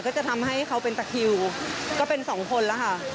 ก็จะทำให้เขาเป็นตะคิวก็เป็นสองคนแล้วค่ะ